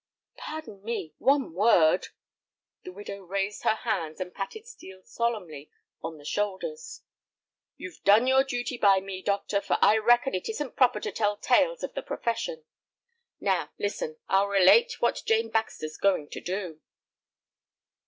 "Pardon me, one word—" The widow raised her hands and patted Steel solemnly on the shoulders. "You've done your duty by me, doctor, for I reckon it isn't proper to tell tales of the profession. Now, listen, I'll relate what Jane Baxter's going to do."